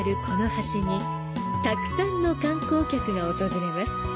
この橋にたくさんの観光客が訪れます。